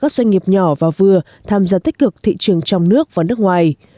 các doanh nghiệp nhỏ và vừa tham gia tích cực thị trường trong nước và nước ngoài